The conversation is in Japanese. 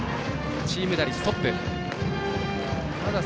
チーム打率トップ。